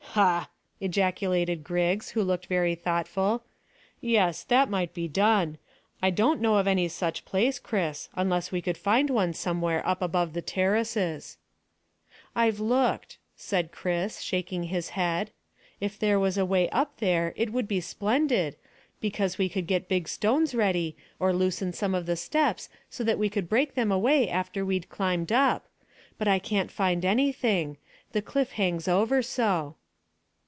"Hah!" ejaculated Griggs, who looked very thoughtful. "Yes, that might be done. I don't know of any such place, Chris, unless we could find one somewhere up above the terraces." "I've looked," said Chris, shaking his head. "If there was a way up there it would be splendid, because we could put big stones ready, or loosen some of the steps so that we could break them away after we'd climbed up; but I can't find anything. The cliff hangs over so."